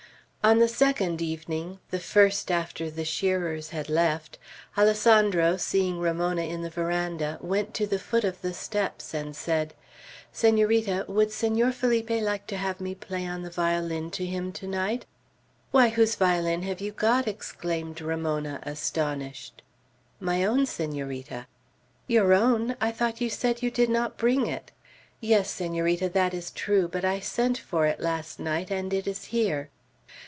On the second evening, the first after the shearers had left, Alessandro, seeing Ramona in the veranda, went to the foot of the steps, and said, "Senorita, would Senor Felipe like to have me play on the violin to him tonight?" "Why, whose violin have you got?" exclaimed Ramona, astonished. "My own, Senorita." "Your own! I thought you said you did not bring it." "Yes, Senorita, that is true; but I sent for it last night, and it is here."